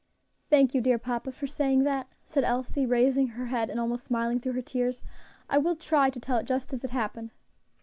"Thank you, dear papa, for saying that," said Elsie, raising her head and almost smiling through her tears. "I will try to tell it just as it happened."